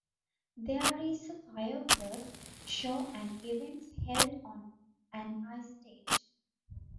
There is a fireworks show and events held on an ice stage.